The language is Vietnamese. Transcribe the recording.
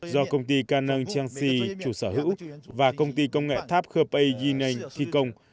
do công ty canang changxi chủ sở hữu và công ty công nghệ tháp khơ pê yên anh thi công